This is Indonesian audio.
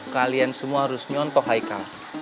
kalian semua harus nyontoh haikal